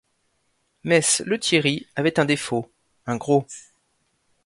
Mess Lethierry avait un défaut ; un gros.